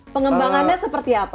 pengembangannya seperti apa